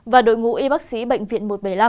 và đội ngũ y bác sĩ bệnh viện một trăm bảy mươi năm